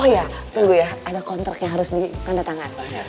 oh ya tunggu ya ada kontrak yang harus ditandatangan